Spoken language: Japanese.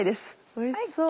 おいしそう！